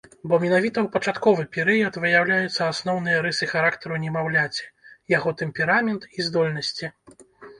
Бо менавіта ў пачатковы перыяд выяўляюцца асноўныя рысы характару немаўляці, яго тэмперамент і здольнасці.